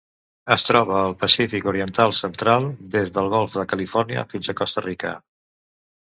Es troba al Pacífic oriental central: des del golf de Califòrnia fins a Costa Rica.